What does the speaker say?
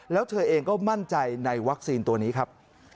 แล้วเธอเองก็มั่นใจในวัคซีนตัวนี้ครับ